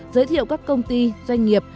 giới thiệu các công ty doanh nghiệp